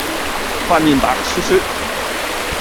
塊面白雪雪